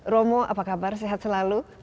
romo apa kabar sehat selalu